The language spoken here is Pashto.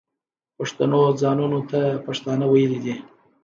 پښتنو ځانونو ته پښتانه ویلي دي.